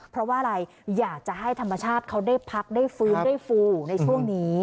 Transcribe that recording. เพราะว่าอะไรอยากจะให้ธรรมชาติเขาได้พักได้ฟื้นได้ฟูในช่วงนี้